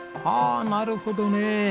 はあなるほどね。